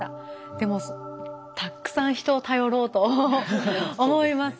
でもたくさん人を頼ろうと思います。